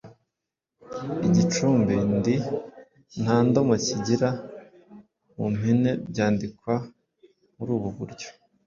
igicumbi –ndi. Nta ndomo kigira. Mu mpine byandikwa muri ubu buryo